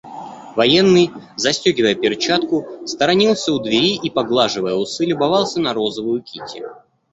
Военный, застегивая перчатку, сторонился у двери и, поглаживая усы, любовался на розовую Кити.